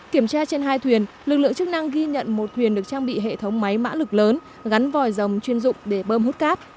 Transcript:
kiểm tra trên hai thuyền lực lượng chức năng ghi nhận một thuyền được trang bị hệ thống máy mã lực lớn gắn vòi rồng chuyên dụng để bơm hút cát